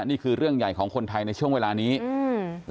นี่คือเรื่องใหญ่ของคนไทยในช่วงเวลานี้อืม